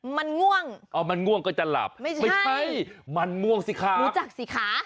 มันม่วงอ้อมันม่วงก็จะหลับไม่ใช่มันม่วงสิค่ะรู้จักสิค่ะ